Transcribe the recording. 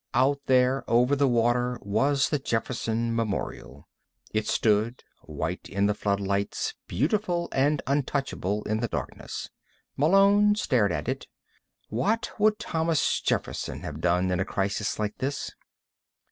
Out there, over the water, was the Jefferson Memorial. It stood, white in the floodlights, beautiful and untouchable in the darkness. Malone stared at it. What would Thomas Jefferson have done in a crisis like this?